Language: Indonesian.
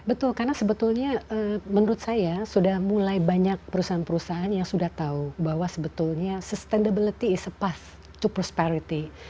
betul karena sebetulnya menurut saya sudah mulai banyak perusahaan perusahaan yang sudah tahu bahwa sebetulnya sustainability is a pass to prosperity